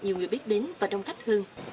nhiều người biết đến và đông khách hơn